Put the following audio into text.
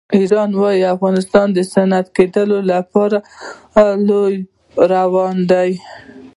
ایران وایي افغانستان د صنعتي کېدو په لور روان دی.